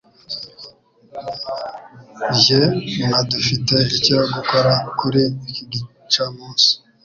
Jye na dufite icyo gukora kuri iki gicamunsi.